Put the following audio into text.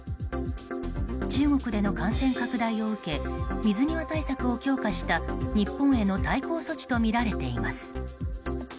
中国での感染拡大を受け水際対策を強化した日本への対抗措置とみられています。